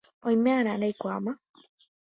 Oime'arã reikuaáma